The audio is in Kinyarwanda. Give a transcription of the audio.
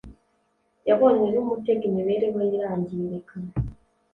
Yabonywe numutegoimibereho ye irangirika